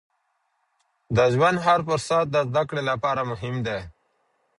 د ژوند هر فرصت د زده کړې لپاره مهم دی.